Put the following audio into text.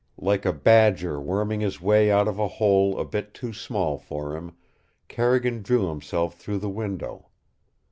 Like a badger worming his way out of a hole a bit too small for him, Carrigan drew himself through the window.